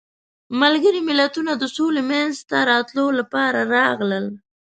ملګري ملتونه د سولې منځته راتلو لپاره راغلل.